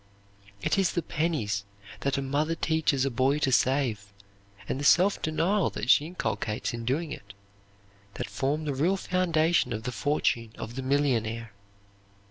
"It is the pennies, that a mother teaches a boy to save and the self denial that she inculcates in doing it, that form the real foundation of the fortune of the millionaire.